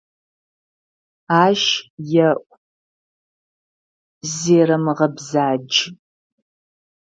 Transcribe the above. Ащ еӀу, зерэмыгъэбзадж.